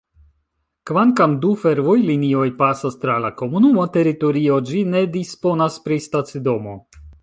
Kvankam du fervojlinioj pasas tra la komunuma teritorio, ĝi ne disponas pri stacidomo.